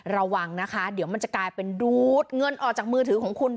ระวังนะคะเดี๋ยวมันจะกลายเป็นดูดเงินออกจากมือถือของคุณ